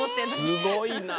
すごいな。